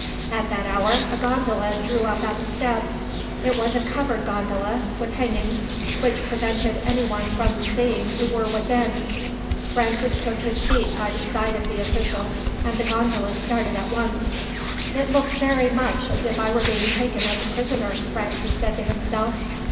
At that hour a gondola drew up at the steps. It was a covered gondola, with hangings, which prevented any from seeing who were within. Francis took his seat by the side of the official, and the gondola started at once. "It looks very much as if I was being taken as a prisoner," Francis said to himself.